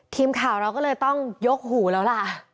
ทีมข่าวเราก็เลยต้องยกหูแล้วล่ะ